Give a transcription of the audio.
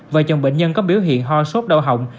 vợ chồng bệnh nhân có biểu hiện ho sốt đau hỏng